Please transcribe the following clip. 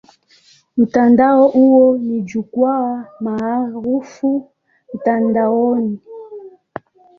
Mtandao huo ni jukwaa maarufu mtandaoni.